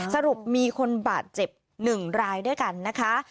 สรุปมีคนบาดเจ็บ๑รายด้วยกันนะคะ